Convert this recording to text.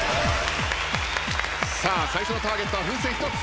最初のターゲットは風船１つ。